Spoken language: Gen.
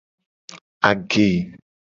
Age.